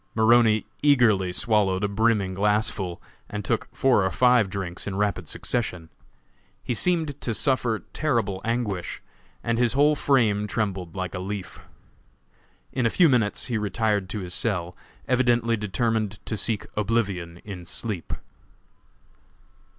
Maroney eagerly swallowed a brimming glassfull, and took four or five drinks in rapid succession. He seemed to suffer terrible anguish, and his whole frame trembled like a leaf. In a few minutes he retired to his cell, evidently determined to seek oblivion in sleep.